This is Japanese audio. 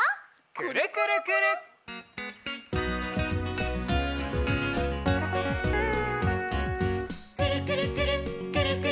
「くるくるくるっくるくるくるっ」